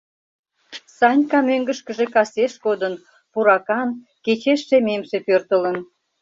Санька мӧҥгышкыжӧ касеш кодын, пуракан, кечеш шемемше пӧртылын.